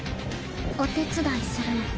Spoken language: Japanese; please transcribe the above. お手伝いするの。